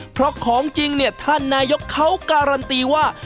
เพราะของจริงเนี่ยท่านนายกเขาการันตีว่า